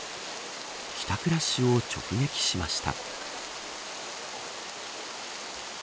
帰宅ラッシュを直撃しました。